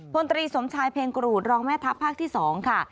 พลตรีสมชายเพลงกรูดรองแม่ทัพภาคที่๒ค่ะ